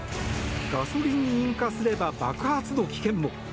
ガソリンに引火すれば爆発の危険も。